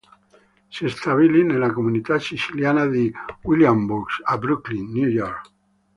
Si stabilì nella comunità siciliana di Williamsburg a Brooklyn, New York.